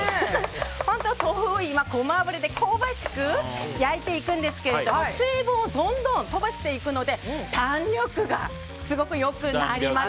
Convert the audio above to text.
本当、豆腐をゴマ油で香ばしく焼いていくんですけど水分をどんどん飛ばしていくので弾力がすごく良くなります。